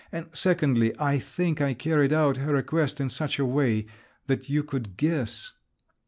—and secondly, I think I carried out her request in such a way that you could guess…."